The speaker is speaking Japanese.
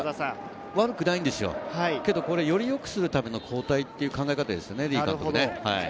悪くないんですよ。より良くするための交代という考え方ですね。